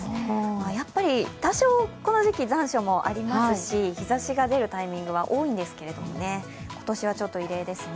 やはり多少、この時期、残暑もありますし日ざしが出るタイミングは多いんですけれども今年は異例ですね。